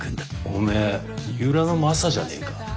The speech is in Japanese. おめえ二浦のマサじゃねえか？